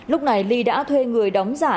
lúc này ly đã thuê người đóng giả